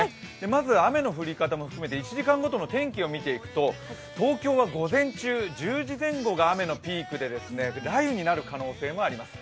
まず雨の降り方も含めて１時間ごとの天気を見ていくと東京は午前中、１０時前後が雨のピークで雷雨になる可能性もあります。